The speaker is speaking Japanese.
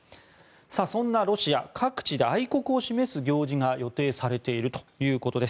そんなロシア、各地で愛国を示す行事が予定されているということです。